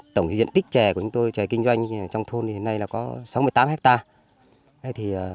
tổng diện tích chè của chúng tôi chè kinh doanh trong thôn hiện nay là có sáu mươi tám hectare